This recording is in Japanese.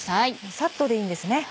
サッとでいいんですね。